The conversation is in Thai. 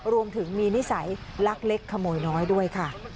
รวมถึงมีนิสัยลักเล็กขโมยน้อยด้วยค่ะ